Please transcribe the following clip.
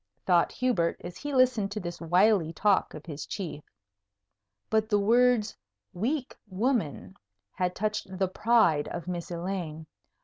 thought Hubert, as he listened to this wily talk of his chief. But the words "weak woman" had touched the pride of Miss Elaine.